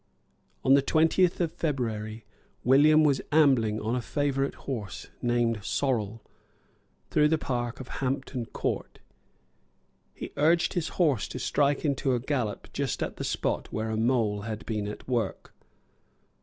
On the twentieth of February William was ambling on a favourite horse, named Sorrel, through the park of Hampton Court. He urged his horse to strike into a gallop just at the spot where a mole had been at work.